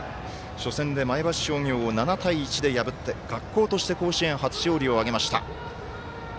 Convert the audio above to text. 初戦で前橋商業を７対１で破って学校として甲子園初勝利を挙げました。